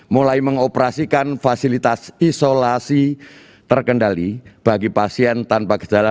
mulai mengoperasikan fasilitas isolasi terkendali bagi pasien tanpa gejala